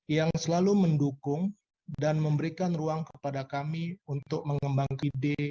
yang selalu mendukung dan memberikan ruang kepada kami untuk mengembang ide